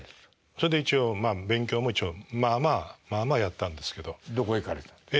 それで一応勉強も一応まあまあまあまあやったんですけど。どこ行かれたんですか？